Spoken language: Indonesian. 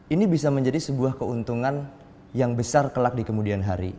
ini bisa menjadi sebuah keuntungan yang besar kelak di kemudian hari